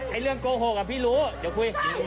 พี่รู้พี่รู้